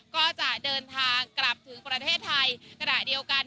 ก็จะเดินทางกลับถึงประเทศไทยขณะเดียวกัน